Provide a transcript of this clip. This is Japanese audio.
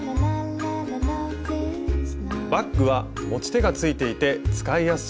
バッグは持ち手がついていて使いやすそうです。